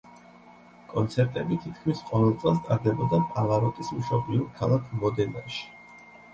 კონცერტები თითქმის ყოველ წელს ტარდებოდა პავაროტის მშობლიურ ქალაქ მოდენაში.